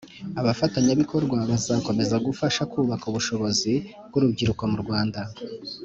Abafatanyabikorwa bazakomeza gufasha kubaka ubushobozi bw urubyiruko murwanda